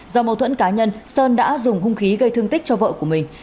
do mâu thuẫn cá nhân sơn đã dùng hung khí gây thương tích cho vợ của mình